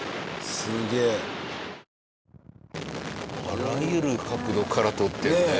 あらゆる角度から撮ってるね。